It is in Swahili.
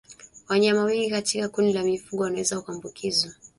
Wanyama wengi katika kundi la mifugo wanaweza kuambukizwa